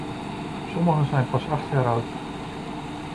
Sommigen zijn pas acht jaar oud.